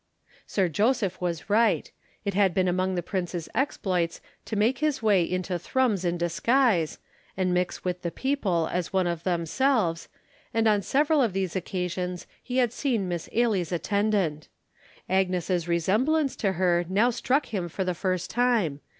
Sir Joseph was right. It had been among the prince's exploits to make his way into Thrums in disguise, and mix with the people as one of themselves, and on several of these occasions he had seen Miss Ailie's attendant. Agnes's resemblance to her now struck him for the first time.